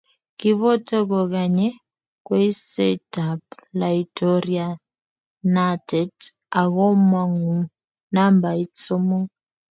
Kiboto kokanye kweisetab laitorianatet akomong'u nambait somok.